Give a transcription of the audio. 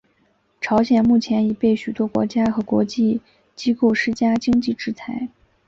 朝鲜目前已被许多国家和国际机构施加经济制裁。